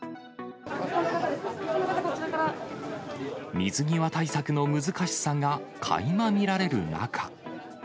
水際対策の難しさがかいま見られる中。